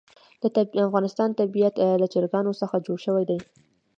د افغانستان طبیعت له چرګانو څخه جوړ شوی دی.